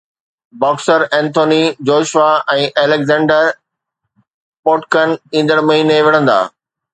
boxer Anthony Joshua ۽ Alexander Povetkin ايندڙ مهيني وڙهندا